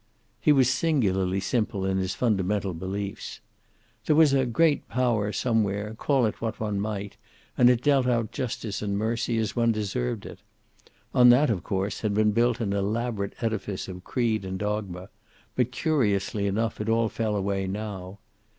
He was singularly simple in his fundamental beliefs. There was a Great Power somewhere, call it what one might, and it dealt out justice or mercy as one deserved it. On that, of course, had been built an elaborate edifice of creed and dogma, but curiously enough it all fell away now.